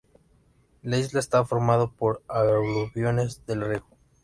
La isla está formado por aluviones del río.